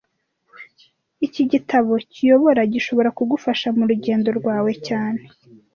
Iki gitabo kiyobora gishobora kugufasha murugendo rwawe cyane